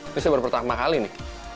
ini saya baru pertama kali nih